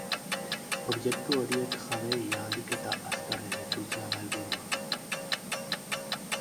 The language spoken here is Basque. Objektu horiek jabeei ahalik eta azkarren itzultzea da helburua.